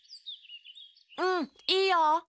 うんうんいいよ！